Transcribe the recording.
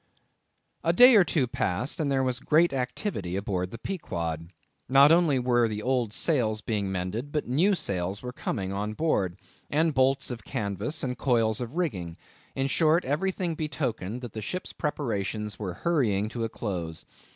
A day or two passed, and there was great activity aboard the Pequod. Not only were the old sails being mended, but new sails were coming on board, and bolts of canvas, and coils of rigging; in short, everything betokened that the ship's preparations were hurrying to a close.